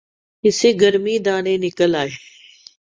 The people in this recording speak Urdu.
اسے گرمی دانے نکل آئے